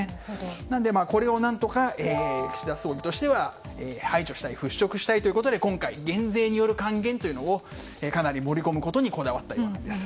なので、これを何とか岸田総理としては排除したい払拭したいということで今回、減税による還元というのをかなり盛り込むことにこだわったようです。